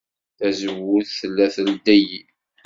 Tazewwut tella teldey.